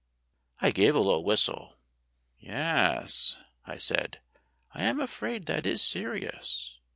I gave a low whistle. "Yes," I said, "I am afraid that is serious.